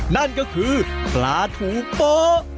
นั่นก็คือปลาถูโป๊ะ